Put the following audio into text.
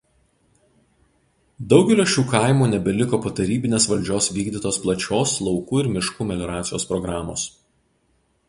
Daugelio šių kaimų nebeliko po tarybinės valdžios vykdytos plačios laukų ir miškų melioracijos programos.